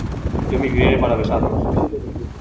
yo me incliné para besarlos: